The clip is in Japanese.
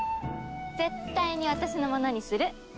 絶対に私のものにする。